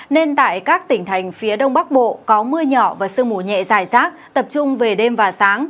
nên tại các tỉnh thành phía đông bắc bộ có mưa nhỏ và sương mù nhẹ dài rác tập trung về đêm và sáng